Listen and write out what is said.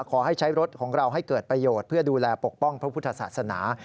ขอให้ใช้รถของเราให้เกิดประโยชน์เพื่อดูแลปกป้องพระพุทธศาสนา